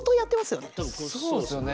そうっすよね。